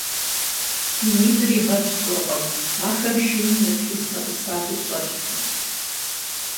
И нитӀыр игъэпщкӀуркъым, ахэм шыни нэплъыснэӀусагъи щӀэлъкъым.